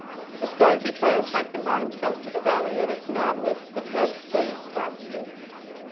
"He's going to try and take them himself to the valley; and it's madness he can't see," cried Steve.